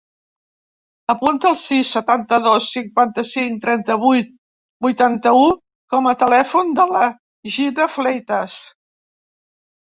Apunta el sis, setanta-dos, cinquanta-cinc, trenta-vuit, vuitanta-u com a telèfon de la Gina Fleitas.